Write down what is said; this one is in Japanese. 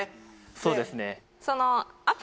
そうですね